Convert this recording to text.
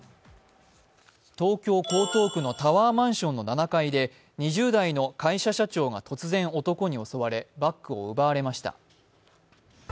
東京・江東区のタワーマンションの７階で２０代の会社社長が突然、男に襲われバッグを奪われました。